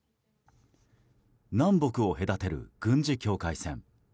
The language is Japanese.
南北を隔てる軍事境界線。